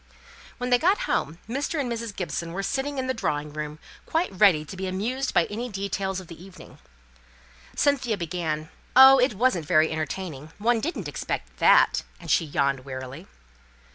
When they got home Mr. and Mrs. Gibson were sitting in the drawing room, quite ready to be amused by any details of the evening. Cynthia began, "Oh! it wasn't very entertaining. One didn't expect that," and she yawned wearily.